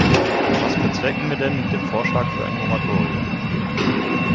Was bezwecken wir denn mit dem Vorschlag für ein Moratorium?